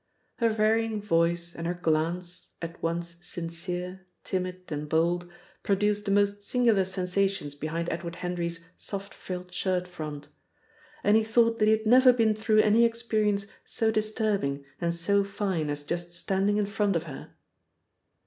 Her varying voice and her glance, at once sincere, timid, and bold, produced the most singular sensations behind Edward Henry's soft frilled shirt front. And he thought that he had never been through any experience so disturbing and so fine as just standing in front of her.